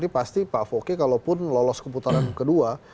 pasti pak fokke kalaupun lolos keputaran kedua